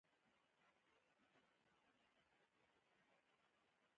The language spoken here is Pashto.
د جهادي مشرانو له شیطاني کارنامو سر وټکاوه.